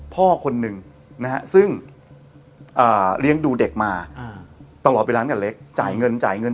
พ่อคนนึงซึ่งเลี้ยงดูเด็กมาตลอดเวลาเงินเล็ก